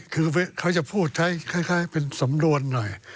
คือเขาจะพูดคล้ายเป็นสำนวนหน่อย